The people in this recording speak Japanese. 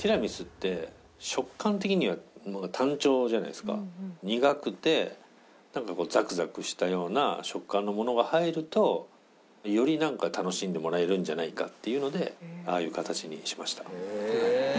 そして苦くてザクザクしたような食感のようなものが入るとより楽しんでもらえるんじゃないかっていうのでああいう形にしました。